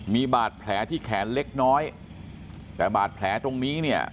มีบาดแผลที่แขนเล็กน้อยแต่บาดแผลตรงนี้เนี่ย